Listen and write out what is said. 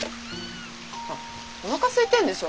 あっおなかすいてんでしょ。